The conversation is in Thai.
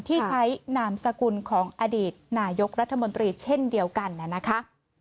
ที่ใช้นามสกุลของอดีตนายกรัฐมนตรีเช่นเดียวกันนะคะ